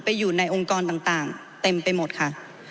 อยู่ในองค์กรต่างเต็มไปหมดค่ะ